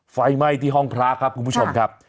ไฟไหม้ที่ห้องพระครับคุณผู้ชมครับ